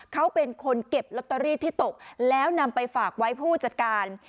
เขาเป็นคนเก็บลอตเตอรี่ที่ตกแล้วนำไปฝากไว้ผู้จัดการ